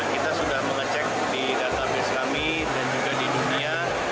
kita sudah mengecek di database kami dan juga di dunia